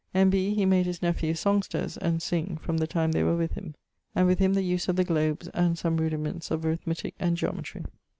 N.B. he made his nephews songsters, and sing, from the time they were with him. [XXII.] and with him the use of the globes, and some rudiments of arithmetic and geometry.